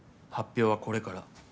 発表はこれから。